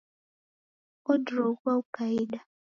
Odiroghua ukaida